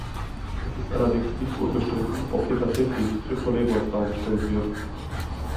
Es ist allerdings nicht unbestritten, ob hier tatsächlich Triptolemos dargestellt wird.